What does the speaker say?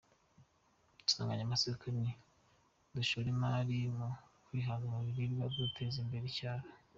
Insanganyamatsiko ni : “Dushore imari mu kwihaza mu biribwa no guteza imbere icyaro.”